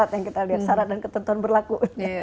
yang kita lihat syarat dan ketentuan berlaku